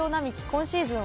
今シーズン